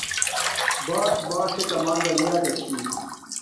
باݽ، باݽ ایکہ اما زیعہ کا چھی